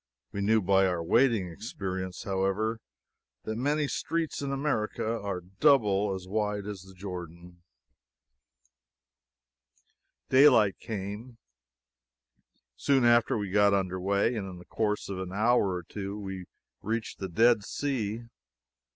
We knew by our wading experience, however, that many streets in America are double as wide as the Jordan. Daylight came, soon after we got under way, and in the course of an hour or two we reached the Dead Sea.